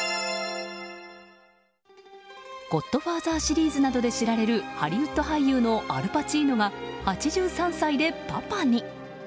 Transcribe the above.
「ゴッドファーザー」シリーズなどで知られるハリウッド俳優のアル・パチーノが８３歳でパパに！